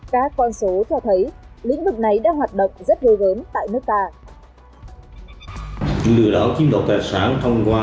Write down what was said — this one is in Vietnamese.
các con số cho thấy lĩnh vực này đã hoạt động rất gây gớm tại nước ta